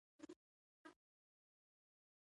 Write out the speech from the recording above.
هغه بیرته کارغانو ته راغی خو هغوی هم ونه مانه.